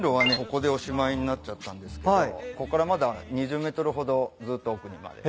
ここでおしまいになっちゃったんですけどここからまだ２０ｍほどずっと奥にまで。